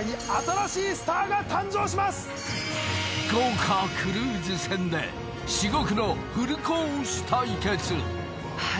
豪華クルーズ船で至極のフルコース対決